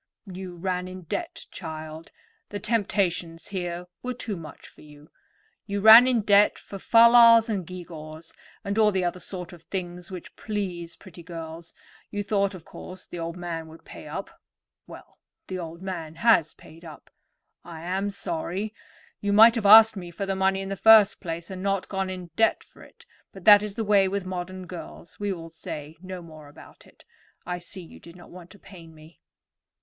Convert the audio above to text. "You ran in debt, child; the temptations here were too much for you. You ran in debt for fal lals and gew gaws, and all the other sort of things which please pretty girls; you thought, of course, the old man would pay up. Well, the old man has paid up. I am sorry. You might have asked me for the money in the first place, and not gone into debt for it; but that is the way with modern girls. We will say no more about it. I see you did not want to pain me."